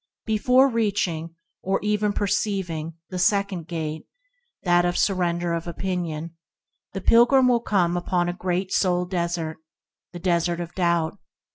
Before reaching, or even perceiving, the second Gate, that of Surrender of Opinion, the pilgrim will come upon a great soul desert, the Desert of Doubt.